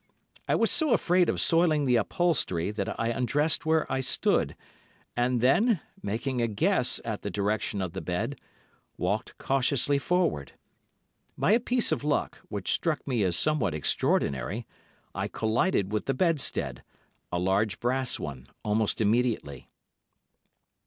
I was so afraid of soiling the upholstery that I undressed where I stood, and then, making a guess at the direction of the bed, walked cautiously forward. By a piece of luck, which struck me as somewhat extraordinary, I collided with the bedstead—a large brass one—almost immediately.